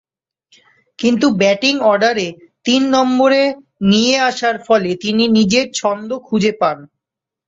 কিন্তু ব্যাটিং অর্ডারে তিন নম্বরে নিয়ে আসার ফলে তিনি নিজের ছন্দ খুঁজে পান।